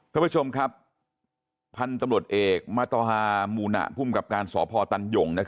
ท่านผู้ชมครับพันธุ์ตำรวจเอกมาตรฮามูนะภูมิกับการสพตันหย่ง